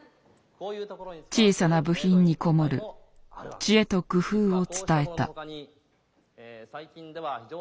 小さな部品にこもる知恵と工夫を伝えた。